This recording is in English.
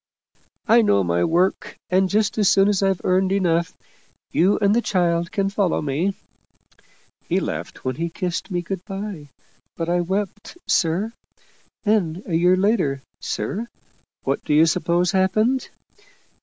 I know my work, and just as soon as I've earned enough, you and the child can follow me.' He laughed when he kissed me good by, but I wept, sir. Then a year later, sir, what do you suppose happened?